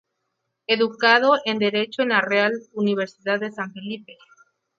Educado en Derecho en la Real Universidad de San Felipe.